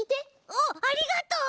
あっありがとう！